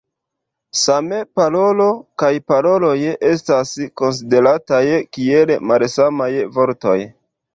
Same "parolo" kaj "paroloj" estas konsiderataj kiel malsamaj vortoj.